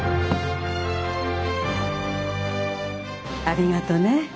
ありがとね。